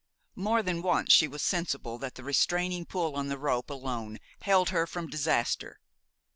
More than once she was sensible that the restraining pull on the rope alone held her from disaster.